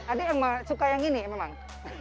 ada yang suka yang ini memang